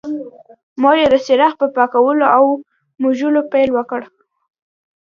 مور یې د څراغ په پاکولو او موږلو پیل وکړ.